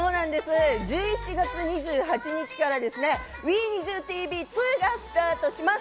１１月２８日から『ＷｅＮｉｚｉＵ！ＴＶ２』がスタートします。